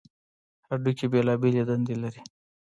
هډوکي بېلابېلې دندې لري.